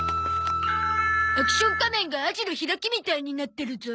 アクション仮面がアジの開きみたいになってるゾ。